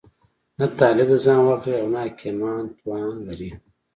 نه طالب د ځان واک لري او نه حاکمان توان لري.